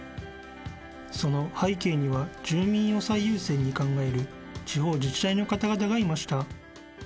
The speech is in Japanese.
［その背景には住民を最優先に考える地方自治体の方々がいました］